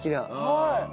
はい。